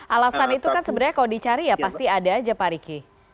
alasan itu kan sebenarnya kalau dicari ya pasti ada aja pak riki